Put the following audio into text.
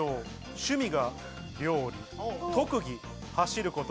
趣味は料理、特技は走ること。